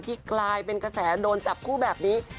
กลายเป็นกระแสโดนจับคู่แบบนี้